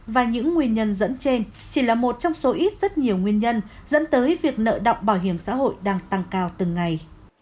và những nguyên nhân dẫn trên chỉ là một trong số ít rất nhiều nguyên nhân dẫn tới việc nợ động bảo hiểm xã hội đang tăng cao từng ngày